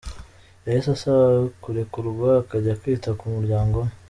Yahise asaba kurekurwa akajya kwita ku muryango we.